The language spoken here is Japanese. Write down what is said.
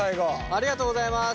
ありがとうございます。